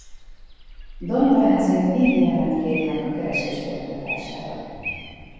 Donovan ezért Indianát kéri meg a keresés folytatására.